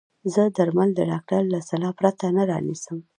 زه درمل د ډاکټر له سلا پرته نه رانيسم.